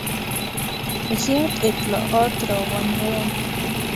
زیات اطلاعات را غونډوم.